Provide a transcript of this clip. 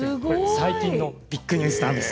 最近のビッグニュースです。